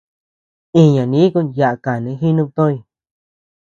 Iña niku yaʼa kanii jinubtoñ.